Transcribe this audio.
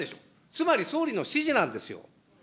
つまり総理の指示なんですよ。